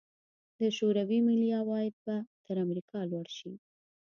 د شوروي ملي عواید به تر امریکا لوړ شي.